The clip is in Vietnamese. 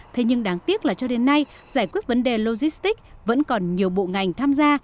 thế nhưng đáng tiếc là cho đến nay giải quyết vấn đề logistics vẫn còn nhiều bộ ngành tham gia